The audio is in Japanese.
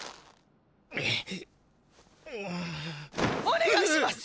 おねがいします！